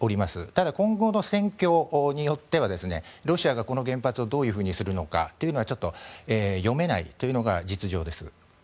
ただ今後の戦況によってはロシアがこの原発をどうするのかというのは、読めないというのが実情です。